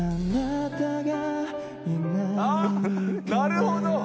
あっなるほど！